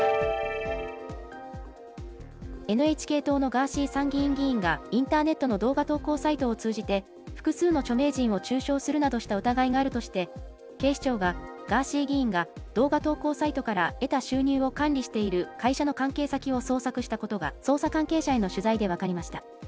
ＮＨＫ党のガーシー参議院議員がインターネットの動画投稿サイトを通じて、複数の著名人を中傷するなどした疑いがあるとして、警視庁がガーシー議員が動画投稿サイトから得た収入を管理している、会社の関係先を捜索したことが、捜査関係者への取材で分かりました。